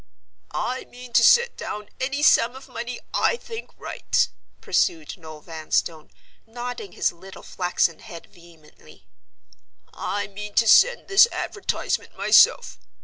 "I mean to set down any sum of money I think right," pursued Noel Vanstone, nodding his little flaxen head vehemently. "I mean to send this advertisement myself.